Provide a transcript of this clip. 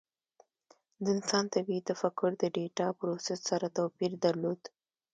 د انسان طبیعي تفکر د ډیټا پروسس سره توپیر درلود.